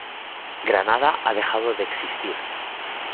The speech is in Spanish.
Granada ha dejado de existir".